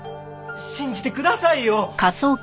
信じてくださいよ！